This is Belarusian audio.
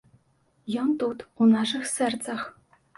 Ён тут, у нашых сэрцах.